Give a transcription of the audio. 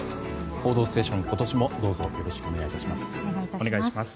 「報道ステーション」今年もどうぞよろしくお願いいたします。